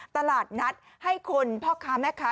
ตลาดนัดให้คนพ่อค้าแม่ค้า